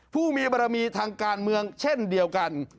ผู้มีบรมีทางการเมืองเช่นเดียวกัน